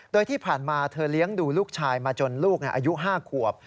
โดยที่ผ่านมาเธอเลี้ยงดูลูกชายมาจนลูกอายุ๕ขวบ